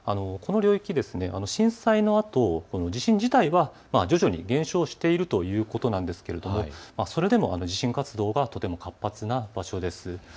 この領域、震災のあと地震自体は徐々に減少しているということなんですがそれでも地震活動がとても活発な場所です。